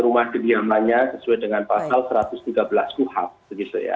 rumah kediamannya sesuai dengan pasal satu ratus tiga belas kuhap begitu ya